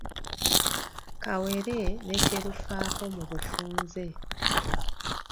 Kawere ne kye lufaako mu bufunze